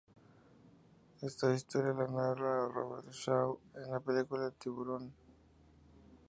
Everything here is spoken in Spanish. Está historia la narra Robert Shaw en la película Tiburón.